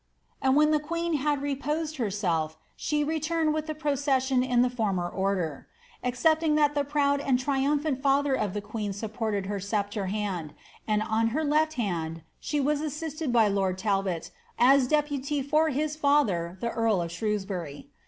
And when the queen had reprised henelf she returned with the procession in the former order," excepting that the proud and triumphant father of the queen supported her sceptre hand, and on her left hand she was assisted by lord Talbot, as deputy for his father, the earl of Shrewsbury.